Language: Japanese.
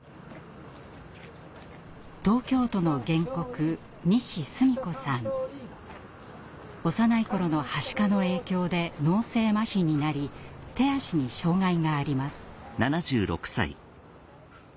東京都の原告幼い頃のはしかの影響で脳性まひになり手足に障害があります。